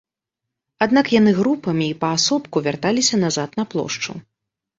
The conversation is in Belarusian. Аднак яны групамі і паасобку вярталіся назад на плошчу.